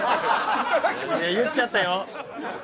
言っちゃったよ。